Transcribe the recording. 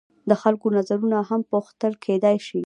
د خلکو نظرونه هم پوښتل کیدای شي.